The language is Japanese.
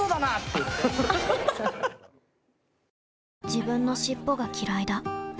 自分の尻尾がきらいだ